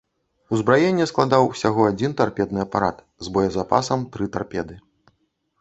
Узбраенне складаў усяго адзін тарпедны апарат з боезапасам тры тарпеды.